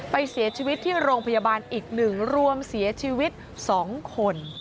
เสียชีวิตที่โรงพยาบาลอีก๑รวมเสียชีวิต๒คน